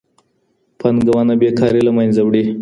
پانګونه بېکاري له منځه وړي.